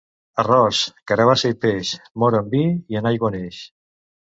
Arròs, carabassa i peix, mor en vi i en aigua neix.